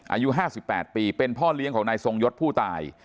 อายุ๕๘ปีเป็นพ่อเลี้ยงของนายทรงยศผู้ตาย